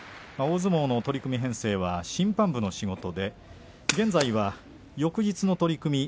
大相撲の取組編成は審判部の仕事で現在は翌日の取組